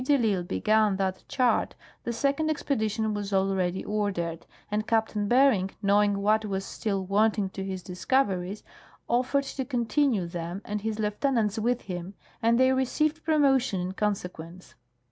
de I'Isle began that chart the second expedition was already ordered, and Captain Bering, knowing what Avas still Avanting to his discoA^eries, offered to continue them and his lieuten ants Avith him, and they received promotion in consequence."